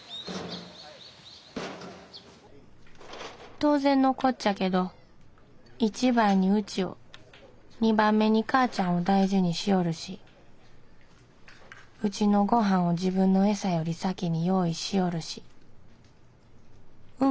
「当然のこっちゃけど一番にうちを二番目にかーちゃんを大事にしよるしうちのごはんを自分の餌より先に用意しよるしうん